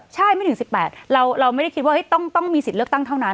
ใช่ไม่ถึง๑๘เราไม่ได้คิดว่าต้องมีสิทธิ์เลือกตั้งเท่านั้น